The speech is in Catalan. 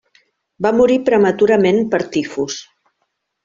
Va morir prematurament per tifus.